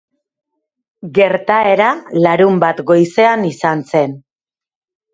Gertaera larunbat goizean izan zen.